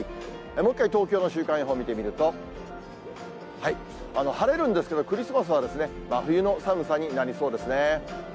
もう一回、東京の週間予報見てみると、晴れるんですけど、クリスマスは真冬の寒さになりそうですね。